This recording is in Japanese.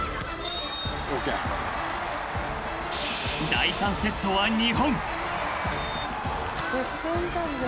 ［第３セットは日本］